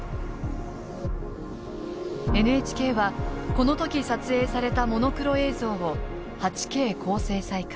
ＮＨＫはこの時撮影されたモノクロ映像を８Ｋ高精細化